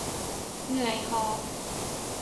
เหนื่อยหอบ